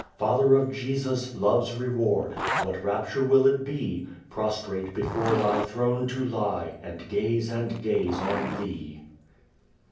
Father of Jesus, love's reward! What rapture will it be, Prostrate before Thy throne to lie, And gaze and gaze on Thee!